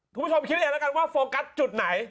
คุณผู้ชมคิดเองแล้วกันว่าโฟกัสจุดไหน